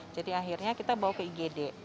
jadi akhirnya kita bawa ke igd